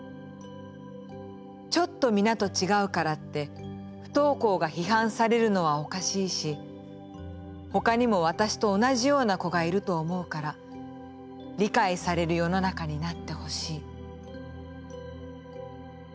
ちょっと皆と違うからって不登校が批判されるのはおかしいし他にも私と同じ様な子が居ると思うから理解される世の中になって欲しい」。